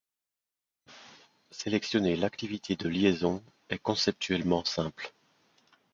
Sélectionner l'activité de liaison est conceptuellement simple.